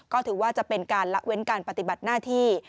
ก็ถือว่าจะเป็นการละเว้นการปฏิบัติหน้าที่